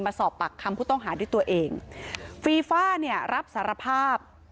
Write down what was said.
สอบปากคำผู้ต้องหาด้วยตัวเองฟีฟ่าเนี่ยรับสารภาพ